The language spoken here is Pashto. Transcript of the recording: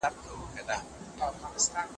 حدود هم ستا په نوم و او محدود هم ستا په نوم و